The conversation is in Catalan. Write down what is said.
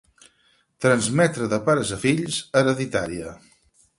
Transmetre de pares a fills, hereditària.